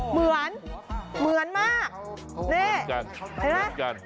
เหมือนเหมือนมาก